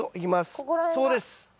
そこです。